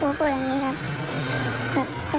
ครูก็ว่ามึงเก่งกับครูหรอ